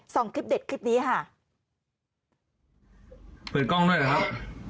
สองคลิปเด็ดคลิปนี้ค่ะเพื่อยกล้องด้วยครับ